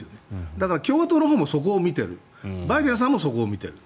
だから、共和党のほうもそこを見てるバイデンさんもそこを見ている。